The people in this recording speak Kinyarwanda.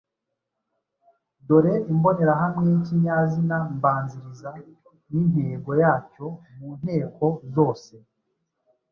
Dore imbonerahamwe y’ikinyazina mbanziriza n’intego yacyo mu nteko zose.